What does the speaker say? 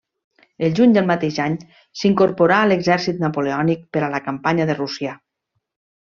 El juny del mateix any, s'incorporà a l'exèrcit napoleònic per a la campanya de Rússia.